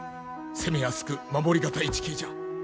攻めやすく守り難い地形じゃ。